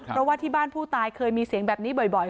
เพราะว่าที่บ้านผู้ตายเคยมีเสียงแบบนี้บ่อย